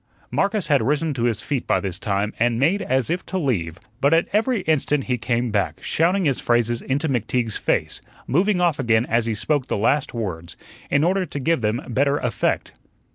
Marcus had risen to his feet by this time and made as if to leave, but at every instant he came back, shouting his phrases into McTeague's face, moving off again as he spoke the last words, in order to give them better effect.